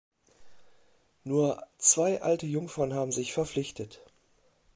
Nur zwei alte Jungfern haben sich verpflichtet.